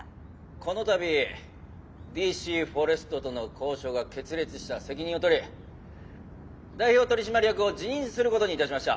「この度ＤＣフォレストとの交渉が決裂した責任を取り代表取締役を辞任することにいたしました」。